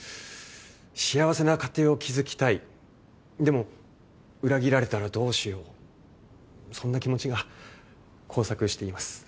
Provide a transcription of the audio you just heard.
幸せな家庭を築きたいでも裏切られたらどうしようそんな気持ちが交錯しています。